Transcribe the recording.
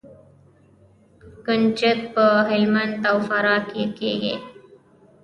کنجد په هلمند او فراه کې کیږي.